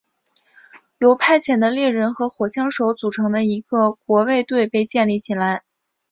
由派遣的猎人和火枪手组成的一个国卫队被建立起来。